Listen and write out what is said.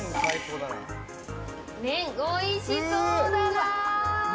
麺、おいしそうだな。